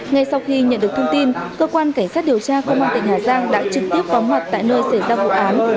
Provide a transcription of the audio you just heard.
ngay sau khi nhận được thông tin cơ quan cảnh sát điều tra công an tỉnh hà giang đã trực tiếp phóng mặt tại nơi xảy ra vụ án